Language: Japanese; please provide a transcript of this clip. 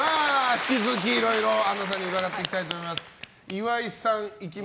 引き続きいろいろアンナさんに伺っていきたいと思います。